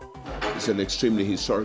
ini adalah momen yang sangat sejarah bagi kami